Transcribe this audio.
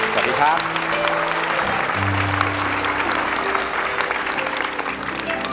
สวัสดีครับ